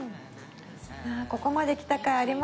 ここまで来た甲斐ありますね。